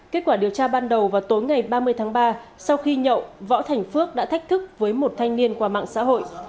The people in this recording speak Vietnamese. kết quả điều tra ban đầu vào tối ngày ba mươi tháng ba sau khi nhậu võ thành phước đã thách thức với một thanh niên qua mạng xã hội